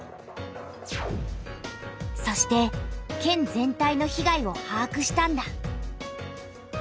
そして県全体の被害をはあくしたんだ。